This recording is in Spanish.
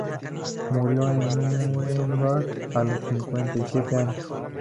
Murió en Nuremberg, a los cincuenta y siete años.